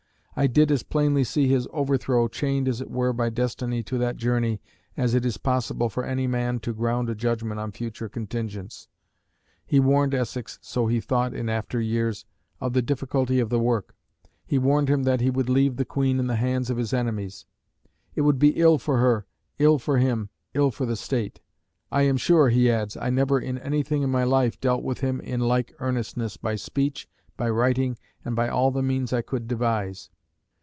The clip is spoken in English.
"I did as plainly see his overthrow, chained as it were by destiny to that journey, as it is possible for any man to ground a judgment on future contingents." He warned Essex, so he thought in after years, of the difficulty of the work; he warned him that he would leave the Queen in the hands of his enemies: "It would be ill for her, ill for him, ill for the State." "I am sure," he adds, "I never in anything in my life dealt with him in like earnestness by speech, by writing, and by all the means I could devise."